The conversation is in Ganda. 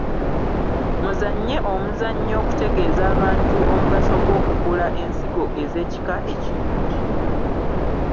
Muzannye omuzannyo okutegeeza abantu omugaso gw’okugula ensigo ez’ekika ekirungi.